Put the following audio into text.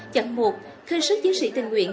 chặng một khơi sức chiến sĩ tình nguyện